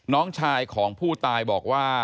น้องชายของผู้ตายบอกว่า